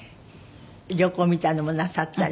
旅行みたいのもなさったり？